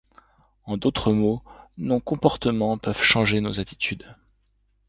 En d’autres mots, nos comportements peuvent changer nos attitudes.